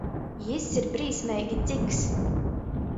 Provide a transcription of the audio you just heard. Jis ir brīsmeigi dziks.